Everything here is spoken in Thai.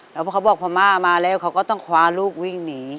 แล้วเพราะเขาบอกพม่ามาแล้วเขาก็ต้องคว้าลูกวิ่งหนี